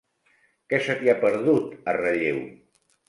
Què se t'hi ha perdut, a Relleu?